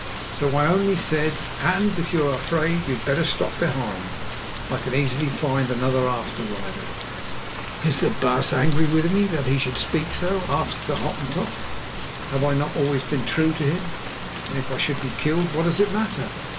So I only said: "Hans, if you are afraid, you had better stop behind. I can easily find another after rider." "Is the baas angry with me that he should speak so?" asked the Hottentot. "Have I not always been true to him; and if I should be killed, what does it matter?